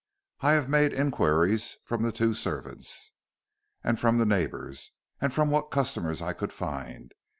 "I have made inquiries from the two servants, and from the neighbors, and from what customers I could find.